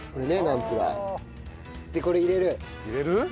でこれ入れる。